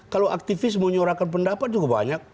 kalau aktivis menyorakan pendapat juga banyak